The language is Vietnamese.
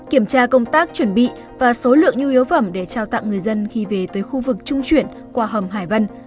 kiểm tra công tác chuẩn bị và số lượng nhu yếu phẩm để trao tặng người dân khi về tới khu vực trung chuyển qua hầm hải vân